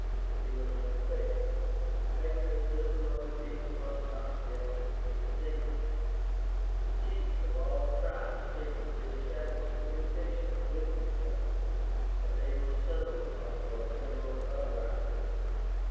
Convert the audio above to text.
He was mistaken. The patriotism of the people was not yet extinguished. The chiefs of all the tribes secretly established communication with each other. A day was settled upon for a general uprising.